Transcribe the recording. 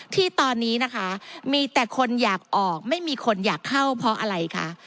ที่ตอนนี้นะคะมีแต่คนอยากออกไม่มีคนอยากเข้าเพราะอะไรคะ